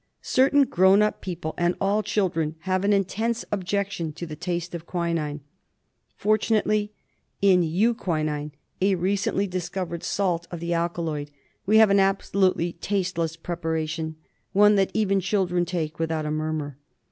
Certain grown up people and all children have an intense objection to the taste of quinine. Fortunately in euquinine, a recently discovered salt of the alkaloid, we have an absolutely tasteless preparation, one that even children take without a murmur.